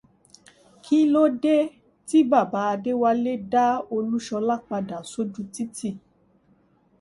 Kí ló dé tí Bàbá Adéwálé dá Olúṣọlá padà sójú títì?